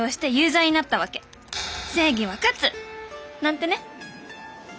正義は勝つ！なんてね」。